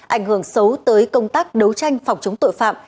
ảnh hưởng xấu tới công tác đấu tranh phòng chống tội phạm